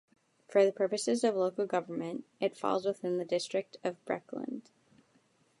For the purposes of local government, it falls within the district of Breckland.